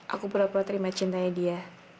aku pura pura terima cintanya dia